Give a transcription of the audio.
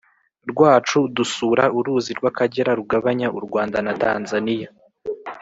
rwacu dusura uruzi rw’akagera rugabanya u rwanda na tanzaniya